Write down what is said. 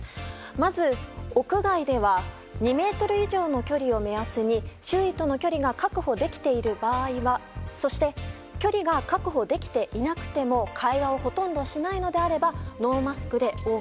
まず屋外では２ｍ以上の距離を目安に周囲との距離が確保できている場合はそして距離が確保できていなくても会話をほとんどしないのであればノーマスクでＯＫ。